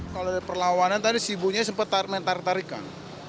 kalau ada perlawanan tadi si ibunya sempat menarikan